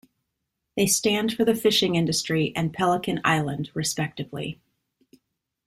They stand for the fishing industry and Pelican Island, respectively.